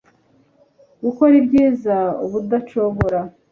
gukora ibyiza ubudacogora